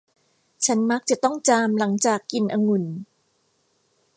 ฉันมักจะต้องจามหลังจากกินองุ่น